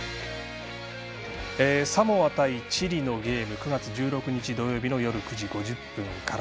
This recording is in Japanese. サモア対チリのゲーム９月１６日土曜日の夜９時５０分から。